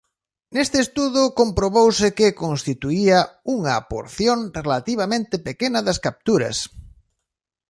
Neste estudo comprobouse que constituía unha porción relativamente pequena das capturas.